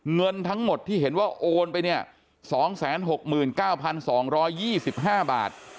เงินทั้งหมดที่เห็นว่าโอนไปเนี่ยสองแสนหกหมื่นเก้าพันสองร้อยยี่สิบห้าบาท